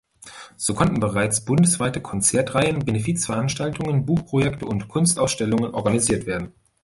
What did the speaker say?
So konnten bereits bundesweite Konzertreihen, Benefizveranstaltungen, Buchprojekte und Kunstausstellungen organisiert werden.